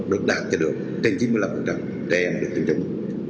được đạt cho được trên chín mươi năm trẻ em được tiêm chủng